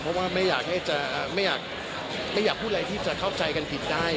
เพราะว่าไม่อยากพูดอะไรที่จะเข้าใจกันผิดได้